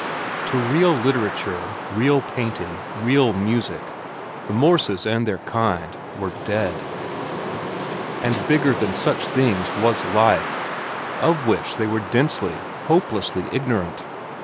To real literature, real painting, real music, the Morses and their kind, were dead. And bigger than such things was life, of which they were densely, hopelessly ignorant.